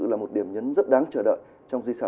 là một điểm nhấn rất đáng chờ đợi